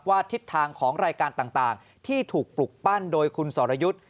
ทิศทางของรายการต่างที่ถูกปลุกปั้นโดยคุณสรยุทธ์